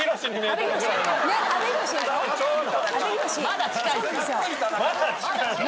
まだ近い？